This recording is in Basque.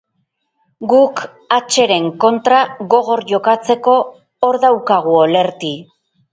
Guk h-ren kontra gogor jokatzeko, or daukagu Olerti.